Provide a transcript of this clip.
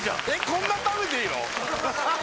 こんな食べていいの？